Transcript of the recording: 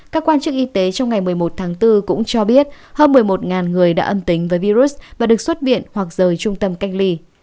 các quan chức y tế trong ngày một mươi một tháng bốn cũng cho biết hơn một mươi một người đã âm tính với virus và được xuất viện hoặc rời trung tâm cách ly